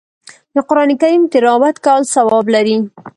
د قرآن کریم تلاوت کول ثواب لري